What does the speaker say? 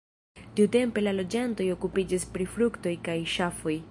Tiutempe la loĝantoj okupiĝis pri fruktoj kaj ŝafoj.